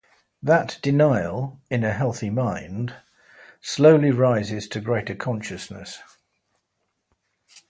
That denial, in a healthy mind, slowly rises to greater consciousness.